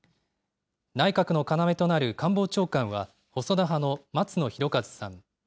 内閣の要となる官房長官は細田派の松野博一さん。